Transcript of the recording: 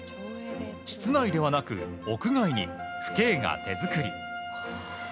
室内ではなく屋外に父兄が手作り。